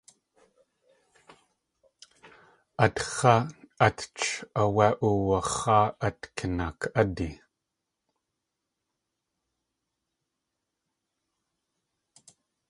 Atx̲a átch áwé uwax̲áa ax̲ kinaak.ádi.